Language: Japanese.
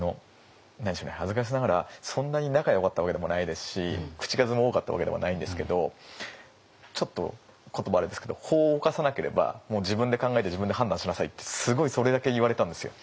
恥ずかしながらそんなに仲よかったわけでもないですし口数も多かったわけでもないんですけどちょっと言葉あれですけど「法を犯さなければ自分で考えて自分で判断しなさい」ってすごいそれだけ言われたんですよ。